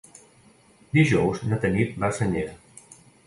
Dijous na Tanit va a Senyera.